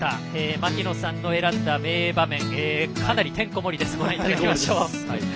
槙野さんが選んだ名場面はかなりてんこ盛りです。